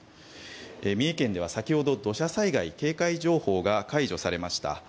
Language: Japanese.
三重県では、先ほど土砂災害警戒情報が解除されました。